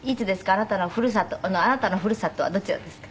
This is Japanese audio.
あなたのふるさとあなたのふるさとはどちらですか？